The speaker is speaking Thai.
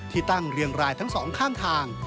ที่ตั้งเรียงรายทั้งสองข้างทาง